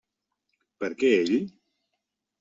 Per què ell?